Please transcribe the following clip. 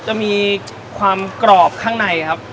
จะมีความกรอบข้างในครับ